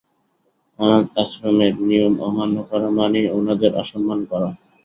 অনাথআশ্রমের নিয়ম অমান্য করা মানেই ওনাদের অসম্মান করা।